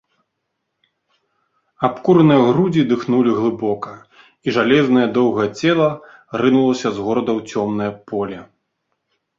Абкураныя грудзі дыхнулі глыбока, і жалезнае, доўгае цела рынулася з горада ў цёмнае поле.